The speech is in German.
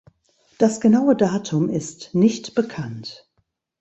Das genaue Datum ist nicht bekannt.